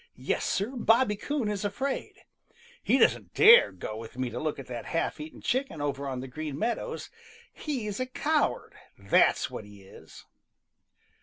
Yes, Sir, Bobby Coon is afraid! He doesn't dare go with me to look at that half eaten chicken over on the Green Meadows. He's a coward, that's what he is!"